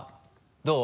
どう？